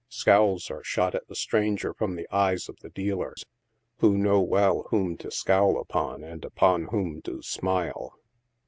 Scowls are shot at the stranger from the eyes of dealers, who know well whom to scowl upon, and upon whom to smile.